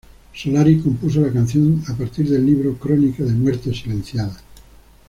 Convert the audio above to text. Solari compuso la canción a partir del libro "Crónica de muertes silenciadas.